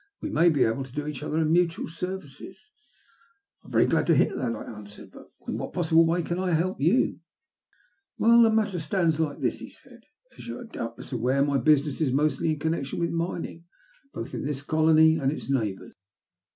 We may be able to do each other mutual services." " I am very glad to hear that," I answered. " But in what possible way can I help you ?"" Well, the matter stands Uke this," he said. " As you are doubtless aware, my business is mostly in connection with mining, both in this colony and its neighbours.